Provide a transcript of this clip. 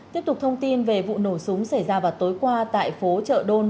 tiếp tục thông tin về vụ nổ súng xảy ra vào tối qua tại phố trợ đôn